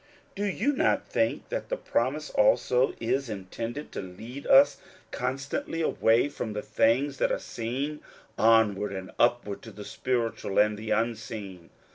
Do you not think that the promise also is in tended to lead us constantly away from the things that are seen^ onward and upward to the spiritual and the unseen?